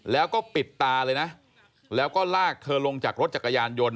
แล้วก็ปิดตาเลยนะแล้วก็ลากเธอลงจากรถจักรยานยนต